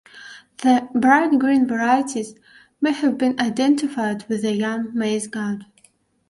The bright green varieties may have been identified with the young Maize God.